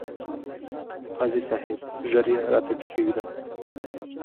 قاضي صاحب! ژر يې راته کښېږده ،